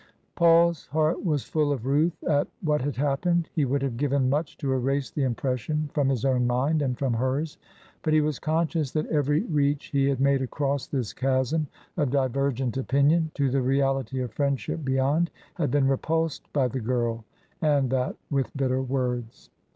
Paul's heart was full of ruth at what had happened ; he would have given much to erase the impression from his own mind and from hers ; but he was conscious that every reach he had made across this chasm of divergent opinion to the reality of friendship beyond had been repulsed by the girl, and that with bitter words.